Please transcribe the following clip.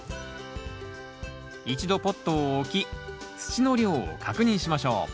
一度ポットを置き土の量を確認しましょう